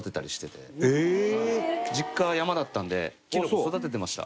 実家山だったんできのこ育ててました。